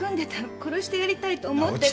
殺してやりたいと思ってた！